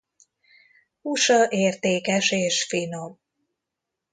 Húsa értékes és finom.